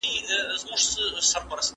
آنلاین مواد په اسانۍ پیدا کیږي.